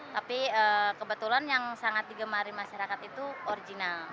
tapi kebetulan yang sangat digemari masyarakat itu original